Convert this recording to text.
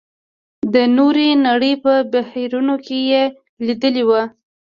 د نورې نړۍ په بهیرونو کې یې لېدلي وو.